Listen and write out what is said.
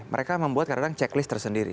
mereka membuat kadang kadang checklist tersendiri